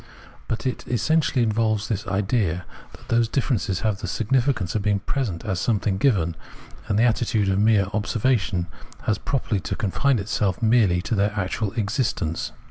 But it essentially involves this idea, that those differences have the significance of being present as something given, and the attitude of mere observa tion has properly to confine itself merely to their actual existence.